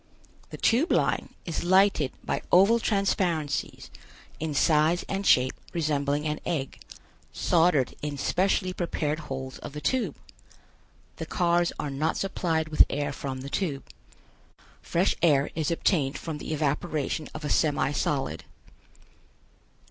The Tube Line is lighted by oval transparencies, in size and shape resembling an egg, soldered in specially prepared holes of the Tube. The cars are not supplied with air from the tube. Fresh air is obtained from the evaporation of a semi solid.